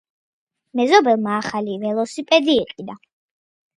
მეზობელმა ახალი ველოსიპედი იყიდა.